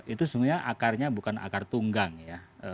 itu sebenarnya akarnya bukan akar tunggang ya